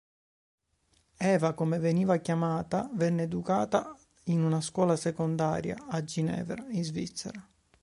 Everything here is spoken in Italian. Eva, come veniva chiamata, venne educata in una scuola secondaria a Ginevra in Svizzera.